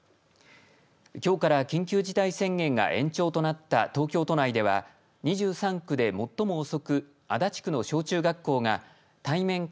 きょうから緊急事態宣言が延長となった東京都内では２３区で最も遅く足立区の小中学校が対面か